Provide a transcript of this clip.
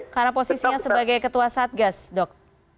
karena posisinya sebagai ketua satgas dok